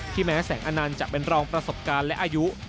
แม้แสงอนันต์จะเป็นรองประสบการณ์และอายุ